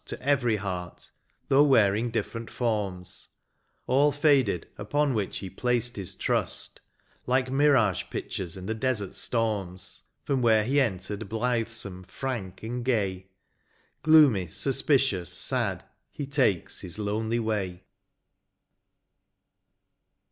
To every heart, though wearing diflferent forms ; All faded upon which he placed his trust. Like mirage pictures in the desert storms. From where he entered blithesome, frank, and gay. Gloomy^ suspicious, sad, he takes his lonely way.